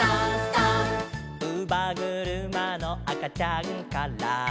「うばぐるまの赤ちゃんから」